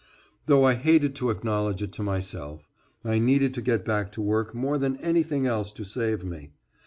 Though I hated to acknowledge it to myself, I needed to get back to work more than anything else to save me.